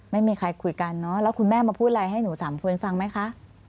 ไม่มีใครคุยกันเนอะแล้วคุณแม่มาพูดอะไรให้หนูสามคนฟังไหมคะ